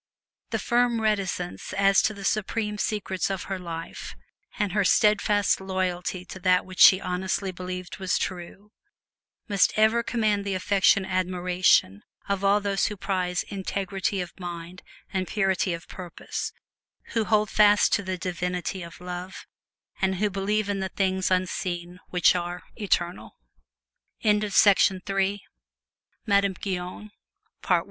The firm reticence as to the supreme secrets of her life, and her steadfast loyalty to that which she honestly believed was truth, must ever command the affectionate admiration of all those who prize integrity of mind and purity of purpose, who hold fast to the divinity of love, and who believe in the things unseen which are eternal. The town of Montargis is one day's bicyc